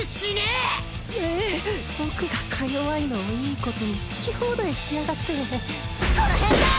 えっ僕がか弱いのをいいことに好き放題しやがってこの変態！